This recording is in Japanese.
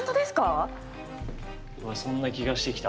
そんな気がしてきた。